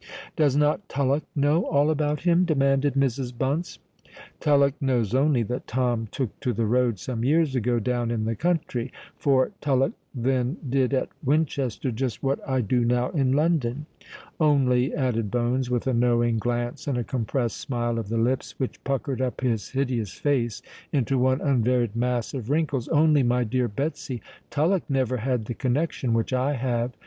"Does not Tullock know all about him?" demanded Mrs. Bunce. "Tullock knows only that Tom took to the road some years ago, down in the country; for Tullock then did at Winchester just what I do now in London: only," added Bones, with a knowing glance and a compressed smile of the lips which puckered up his hideous face into one unvaried mass of wrinkles,—"only, my dear Betsy, Tullock never had the connexion which I have.